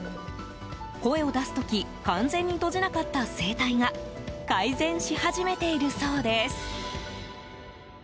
声を出す時完全に閉じなかった声帯が改善し始めているそうです。